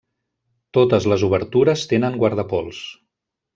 Totes les obertures tenen guardapols.